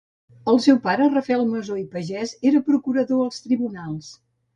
El seu pare, Rafael Masó i Pagès, era procurador als tribunals.